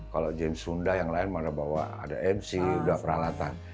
kalau james sunda yang lain mana bawa ada mc sudah peralatan